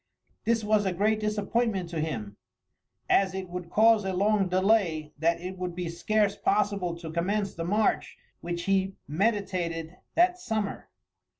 This was a great disappointment to him, as it would cause a long delay that it would be scarce possible to commence the march which he meditated that summer.